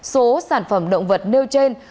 số sản phẩm động vật nêu trên